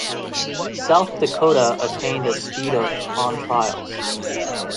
"South Dakota" attained a speed of on trials.